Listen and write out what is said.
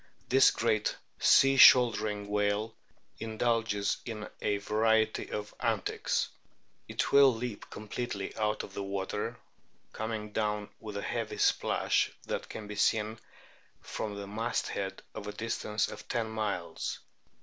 This great " sea should'ring whale" indulges in a variety of antics ; it will leap completely out of the water, coming down with a heavy splash that can be seen from the masthead at a distance of ten miles.